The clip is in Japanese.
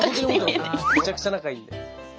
めちゃくちゃ仲いいんで。